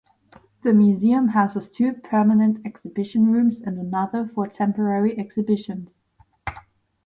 The museum houses two permanent exhibition rooms and another for temporary exhibitions.